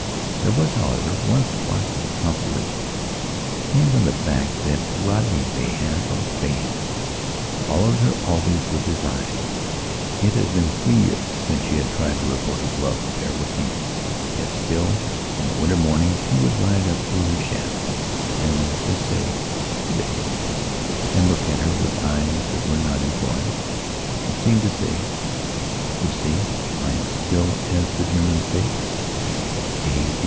There was, however, one spark of consolation. It came from the fact that Rodney Bayham, of Bayham, followed her always with his eyes. It had been three years since she had tried her abortive love affair with him. Yet still, on the winter mornings he would ride up to her shafts and just say: "Good day," and look at her with eyes that were not imploring, but seemed to say: "You see, I am still, as the Germans say, A.